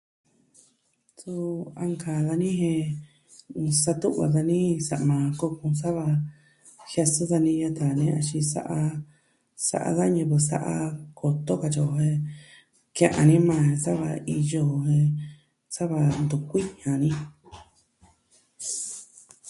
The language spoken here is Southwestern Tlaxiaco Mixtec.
Suu an kaa dani jen, sa'a tun va dani sa'ma kokun sava jiasɨ dani a ta nee axin saa, sa'a da ñivɨ sa'a koton katyi o jen ke'en a ni maa sava iyo jen sava ntu kuii a ni.